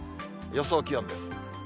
予想気温です。